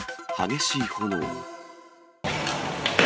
激しい炎。